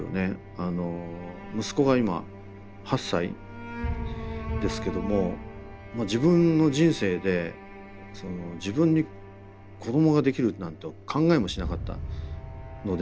あの息子が今８歳ですけども自分の人生で自分に子供ができるなんて考えもしなかったので。